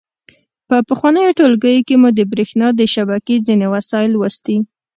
په پخوانیو ټولګیو کې مو د برېښنا د شبکې ځینې وسایل لوستي.